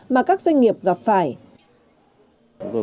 mà các doanh nghiệp gặp phải